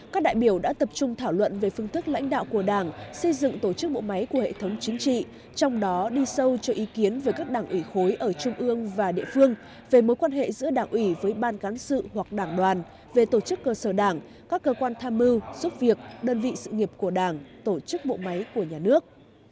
các đại biểu đã tập trung thảo luận về phương thức lãnh đạo của đảng xây dựng tổ chức bộ máy của hệ thống chính trị trong đó đi sâu cho ý kiến về các đảng ủy khối ở trung ương và địa phương về mối quan hệ giữa đảng ủy với ban cán sự hoặc đảng đoàn về tổ chức cơ sở đảng các cơ quan tham mưu giúp việc đơn vị sự nghiệp của đảng tổ chức bộ máy của nhà nước